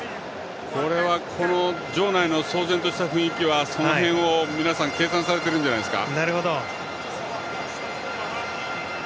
場内の騒然とした雰囲気はその辺を皆さん計算されているんじゃないですか。